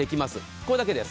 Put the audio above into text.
これだけです。